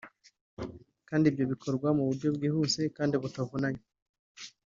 kandi ibyo bikorwa mu buryo bwihuse kandi butavunanye